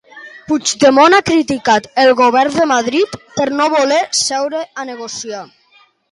Puigdemont ha criticat el govern de Madrid per no voler seure a negociar.